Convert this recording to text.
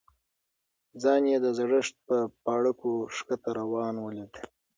ځان یې د زړښت په پاړکو ښکته روان ولید.